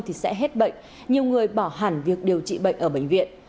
thì sẽ hết bệnh nhiều người bỏ hẳn việc điều trị bệnh ở bệnh viện